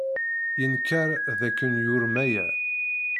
Yenkeṛ dakken yurem aya.